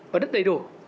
và đất đầy đủ